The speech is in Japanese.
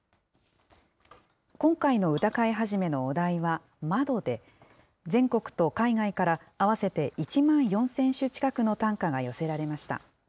今回の歌会始のお題は窓で、全国と海外から合わせて１万４０００首近くの短歌が寄せられました。